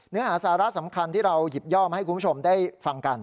เนื้อหาสาระสำคัญที่เราหยิบย่อมาให้คุณผู้ชมได้ฟังกัน